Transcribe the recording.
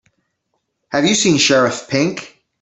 Have you seen Sheriff Pink?